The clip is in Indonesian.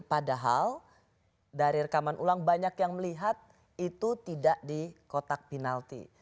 padahal dari rekaman ulang banyak yang melihat itu tidak di kotak penalti